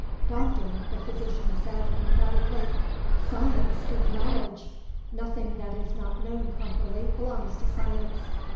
"Doctor!" the physician said, emphatically, "science is knowledge. Nothing that is not known properly belongs to science.